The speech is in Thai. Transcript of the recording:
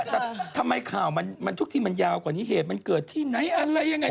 แต่ทำไมข่าวมันทุกทีมันยาวกว่านี้เหตุมันเกิดที่ไหนอะไรยังไง